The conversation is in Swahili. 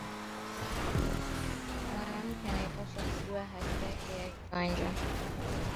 Mwanamuke naye ana pashwa kujua haki yake ya viwanja